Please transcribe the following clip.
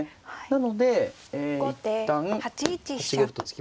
なので一旦８五歩と突きました。